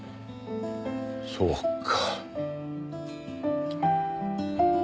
そうか。